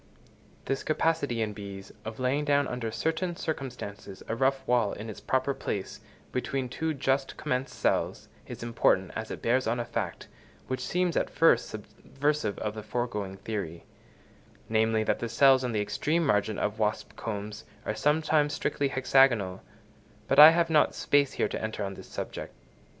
This capacity in bees of laying down under certain circumstances a rough wall in its proper place between two just commenced cells, is important, as it bears on a fact, which seems at first subversive of the foregoing theory; namely, that the cells on the extreme margin of wasp combs are sometimes strictly hexagonal; but I have not space here to enter on this subject.